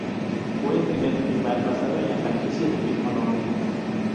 Fue el primer pinball basado en la franquicia del mismo nombre.